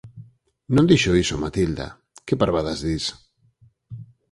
Non dixo iso, Matilda… Que parvadas dis!